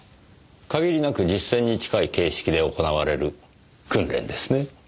限りなく実戦に近い形式で行われる訓練ですね。